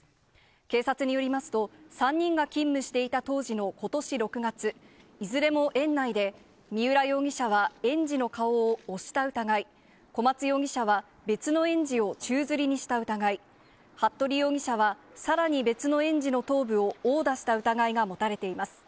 警察によりますと、３人が勤務していた当時のことし６月、いずれも園内で、三浦容疑者は園児の顔を押した疑い、小松容疑者は別の園児を宙づりにした疑い、服部容疑者はさらに別の園児の頭部を殴打した疑いが持たれています。